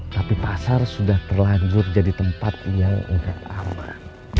tapi pasar sudah terlanjur jadi tempat yang sudah aman